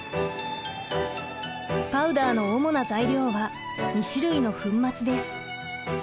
パウダーの主な材料は２種類の粉末です。